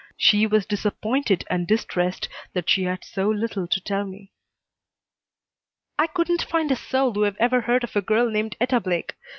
She was disappointed and distressed that she had so little to tell me. "I couldn't find a soul who'd ever heard of a girl named Etta Blake.